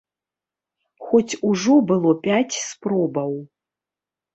Хоць ужо было пяць спробаў.